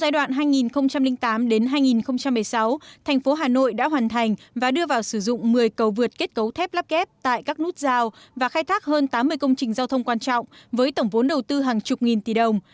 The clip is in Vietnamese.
giai đoạn hai nghìn tám hai nghìn một mươi sáu thành phố hà nội đã hoàn thành và đưa vào sử dụng một mươi cầu vượt kết cấu thép lắp kép tại các nút giao và khai thác hơn tám mươi công trình giao thông quan trọng với tổng vốn đầu tư hàng chục nghìn tỷ đồng